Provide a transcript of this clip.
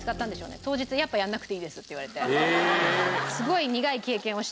当日やっぱやらなくていいですって言われて。